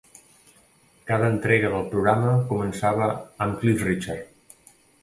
Cada entrega del programa començava amb Cliff Richard.